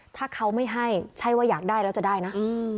ถ้าเขาไม่ให้ใช่ว่าอยากได้แล้วจะได้นะ